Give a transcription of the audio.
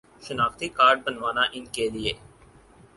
شناختی کارڈ بنوانا ان کے لیے